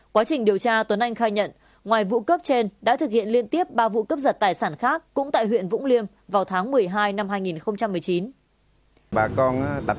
quá trình điều tra tuấn anh khai nhận ngoài vụ cướp trên đã thực hiện liên tiếp ba vụ cướp giật tài sản khác cũng tại huyện vũng liêm vào tháng một mươi hai năm hai nghìn một mươi chín